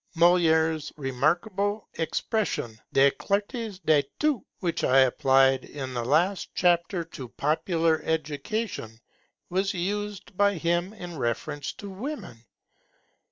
Molière's remarkable expression, des clartés de tout, which I applied in the last chapter to popular education, was used by him in reference to women.